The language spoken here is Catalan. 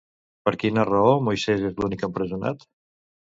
Per quina raó Moises és l'únic empresonat?